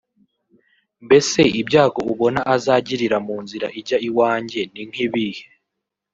Mbese ibyago ubona azagirira mu nzira ijya iwanjye ni nk’ibihe